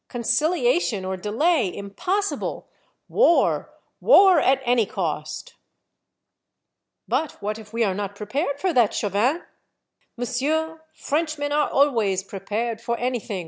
Conciliation or delay impos sible !— War ! war ! at any cost ! 126 Monday Tales. " But what if we are not prepared for that, Chauvin? "" Monsieur, Frenchmen are always prepared for anything